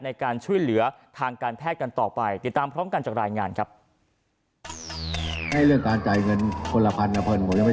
ในการช่วยเหลือทางการแพทย์กันต่อไปติดตามพร้อมกันจากรายงานครับ